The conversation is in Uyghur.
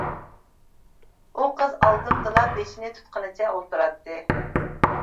ئۇ قىز ئالدىمدىلا بېشىنى تۇتقىنىچە ئولتۇراتتى.